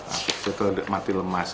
afeksia itu ada mati lemas